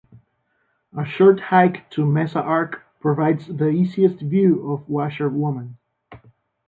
A short hike to Mesa Arch provides the easiest view of Washer Woman.